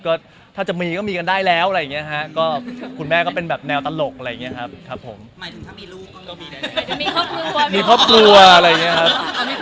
ก็ถ้าจะมีก็มีกันได้แล้วอะไรอย่างเงี้ยฮะก็คุณแม่ก็เป็นแบบแนวตลกอะไรอย่างเงี้ยครับ